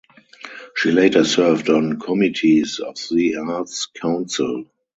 She later served on committees of the Arts council.